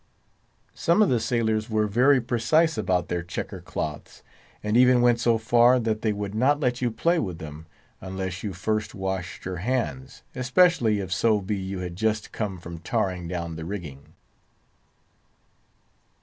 Some of the sailors were very precise about their checker cloths, and even went so far that they would not let you play with them unless you first washed your hands, especially if so be you had just come from tarring down the rigging.